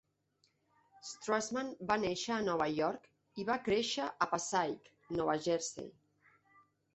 Strassman va néixer a Nova York i va créixer a Passaic, Nova Jersey.